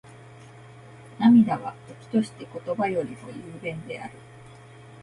涙は、時として言葉よりも雄弁である。